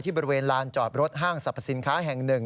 บริเวณลานจอดรถห้างสรรพสินค้าแห่งหนึ่ง